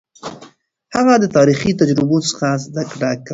هغه د تاريخي تجربو څخه زده کړه کوله.